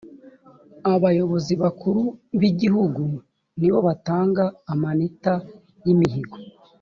abayobozi bakuru b ‘igihugu nibobatanga amanita yimihigo.